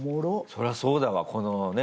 そりゃそうだわこのね